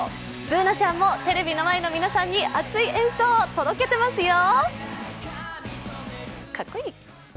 Ｂｏｏｎａちゃんもテレビの前の皆さんに、熱い演奏を届けてますよ。